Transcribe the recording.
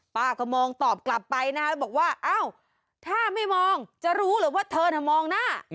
ป้าก็มองตอบกลับไปนะบอกว่าอ้าวถ้าไม่มองจะรู้เหรอว่าเธอน่ะมองหน้า